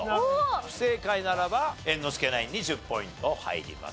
不正解ならば猿之助ナインに１０ポイント入ります。